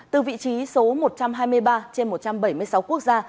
từ vị trí số một trăm hai mươi ba trên một trăm bảy mươi sáu quốc gia